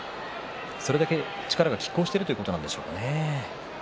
それだけ力が、きっ抗しているということなんでしょうね。